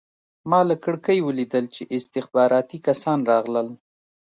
ما له کړکۍ ولیدل چې استخباراتي کسان راغلل